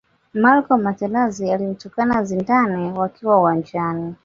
marco materazi alimtukana zidane wakiwa uwanjani